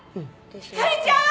ひかりちゃん！